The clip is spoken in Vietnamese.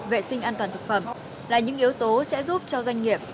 vệ sinh an toàn thực phẩm là những yếu tố sẽ giúp cho doanh nghiệp